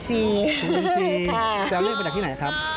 แซวเล่นไปจากที่ไหนครับ